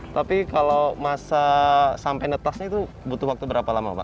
tapi kalau masa sampai netasnya itu butuh waktu berapa lama pak